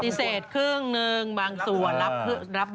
ปฏิเสธครึ่งนึงบางส่วนรับบางส่วน